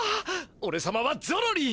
おれさまはゾロリ！